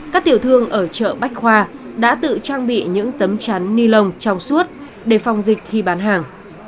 các tiểu thương ở chợ bách khoa đã tự trang bị những tấm chắn ni lông trong suốt để phòng dịch khi bán hàng